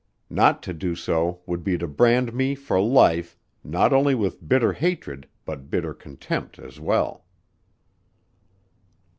Not to do so would be to brand me, for life, not only with bitter hatred but bitter contempt as well."